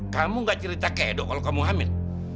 kamu gak cerita kedo kalau kamu hamil